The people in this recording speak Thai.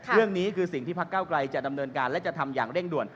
เรื่องนี้คือสิ่งที่พักเก้าไกลจะดำเนินการและจะทำอย่างเร่งด่วน